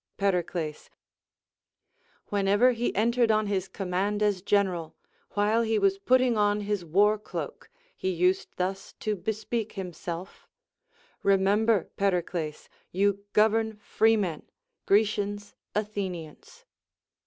Pericles. Whenever he entered on his command as aen cral, while he was putting on his war cloak, he used thus to hespeak himself: Remember, Pericles, you govern free men, Grecians, Athenians.